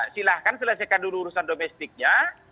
silahkan selesaikan dulu urusan domestiknya